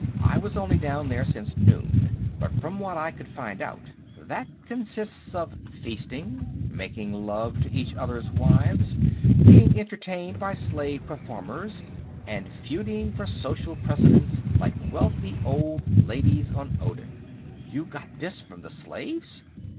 "I was only down there since noon, but from what I could find out, that consists of feasting, making love to each other's wives, being entertained by slave performers, and feuding for social precedence like wealthy old ladies on Odin." "You got this from the slaves?